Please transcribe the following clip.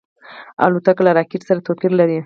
الوتکه له راکټ سره توپیر لري.